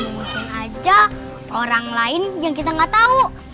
mungkin ada orang lain yang kita nggak tahu